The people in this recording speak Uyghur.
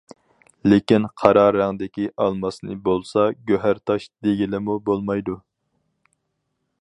لېكىن قارا رەڭدىكى ئالماسنى بولسا گۆھەر تاش دېگىلىمۇ بولمايدۇ.